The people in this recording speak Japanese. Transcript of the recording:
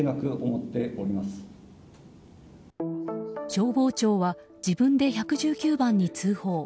消防長は自分で１１９番に通報。